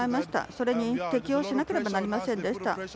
それに適応しなければなりませんでした。